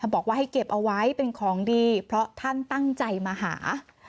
บอกว่าให้เก็บเอาไว้เป็นของดีเพราะท่านตั้งใจมาหา